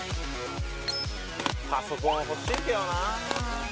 パソコン欲しいけどな。